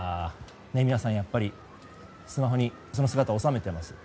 皆さん、やっぱりスマホにその姿を収めています。